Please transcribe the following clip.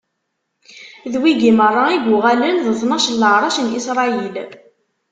D wigi meṛṛa i yuɣalen d tnac n leɛṛac n Isṛayil.